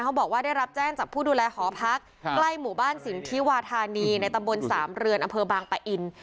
บอกว่าได้รับแจ้งจากผู้ดูแลหอพักใกล้หมู่บ้านสินทิวาธานีในตำบลสามเรือนอำเภอบางปะอิน